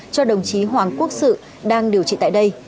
cho đồng chí hoàng quốc sự đang điều trị tại đây